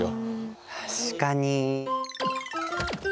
確かに。